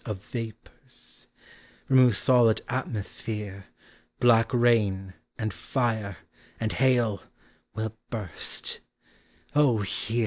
Of vapors; from whose solid atmosphere Black rain, and fire, and hail, will hurst : hear!